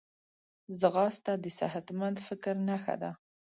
ځغاسته د صحتمند فکر نښه ده